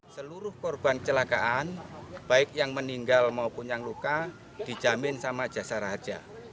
seluruh korban kecelakaan baik yang meninggal maupun yang luka dijamin sama jasa raja